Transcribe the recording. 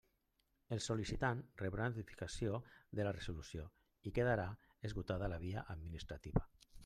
El sol·licitant rebrà notificació de la resolució, i quedarà esgotada la via administrativa.